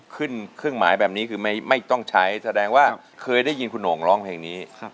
เครื่องหมายแบบนี้คือไม่ต้องใช้แสดงว่าเคยได้ยินคุณโหงร้องเพลงนี้